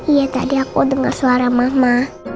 iya tadi aku dengar suara mama